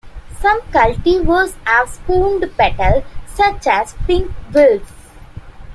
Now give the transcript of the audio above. Some cultivars have "spooned" petals such as "Pink Whirls".